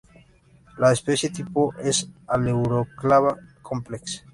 La especie tipo es "Aleuroclava complex".